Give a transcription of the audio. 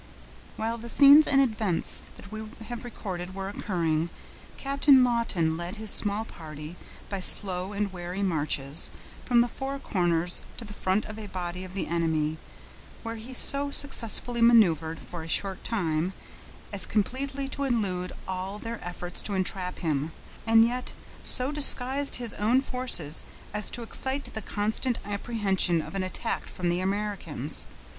While the scenes and events that we have recorded were occurring, Captain Lawton led his small party, by slow and wary marches, from the Four Corners to the front of a body of the enemy; where he so successfully maneuvered, for a short time, as completely to elude all their efforts to entrap him, and yet so disguised his own force as to excite the constant apprehension of an attack from the Americans.